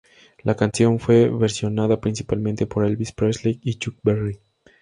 La canción fue versionada principalmente por Elvis Presley y Chuck Berry.